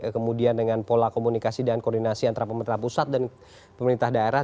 kemudian dengan pola komunikasi dan koordinasi antara pemerintah pusat dan pemerintah daerah